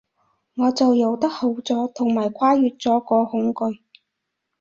我就游得好咗，同埋跨越咗個恐懼